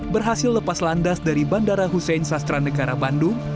berhasil lepas landas dari bandara husein sastranegara bandung